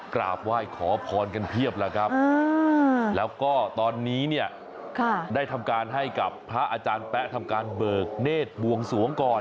กราบไหว้ขอพรกันเพียบแล้วครับแล้วก็ตอนนี้เนี่ยได้ทำการให้กับพระอาจารย์แป๊ะทำการเบิกเนธบวงสวงก่อน